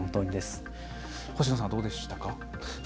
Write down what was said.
星野さんは、どうでしたか？